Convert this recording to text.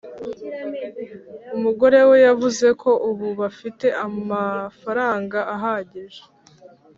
umugore we yavuze ko ubu bafite amafaranga ahagije